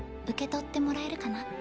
受け取ってもらえるかな。